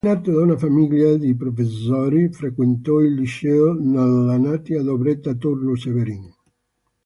Nato da una famiglia di professori, frequentò il liceo nella natia Drobeta-Turnu Severin.